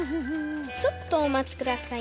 ちょっとおまちくださいね。